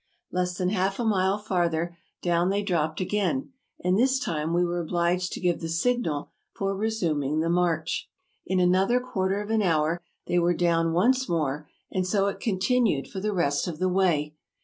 Less than half a mile farther, down they dropped again, and this time we were obliged to give the signal for resuming the march. In another quarter of an hour they were down once more, and so it continued for the rest of the way.